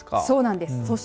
そうなんです。